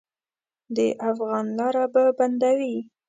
د افغان لاره به بندوي.